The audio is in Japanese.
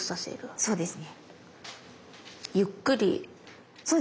そうですね。